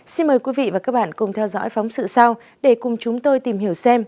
xin mời quý vị và các bạn cùng theo dõi phóng sự sau để cùng chúng tôi tìm hiểu xem